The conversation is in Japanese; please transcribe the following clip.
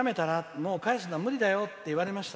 もう返すの無理だよって言われました。